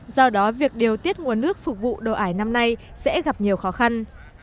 do đó việc điều tiết nguồn nước phục vụ đồ ải năm nay sẽ gặp nhiều khó khăn